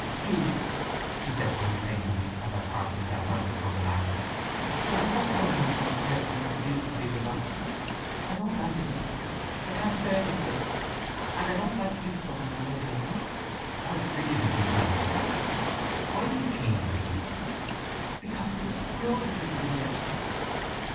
"Jude," she said to him plaintively, at their parting that night upon the landing, "it is not so nice and pleasant as it used to be with us! I don't like it here—I can't bear the place! And I don't like you so well as I did!" "How fidgeted you seem, dear! Why do you change like this?" "Because it was cruel to bring me here!"